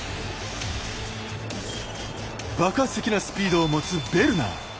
爆発的なスピードを持つベルナー。